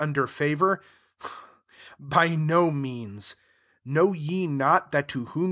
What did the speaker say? under favour ? By no means. Know ye not, that to whom